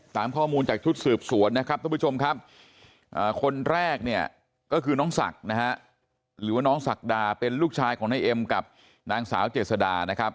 ตามข้อมูลจากทุศสืบสวนนะครับทุกผู้ชมครับคนแรกเนี่ยก็คือน้องศักดาเป็นลูกชายของนายเอ็มกับนางสาวเจษฎานะครับ